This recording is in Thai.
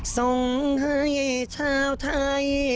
ส่งให้ชาวไทย